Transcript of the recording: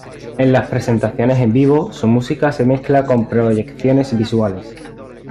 En las presentaciones en vivo su música se mezcla con proyecciones visuales.